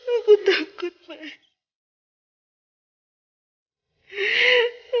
aku takut mama